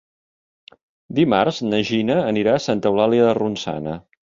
Dimarts na Gina anirà a Santa Eulàlia de Ronçana.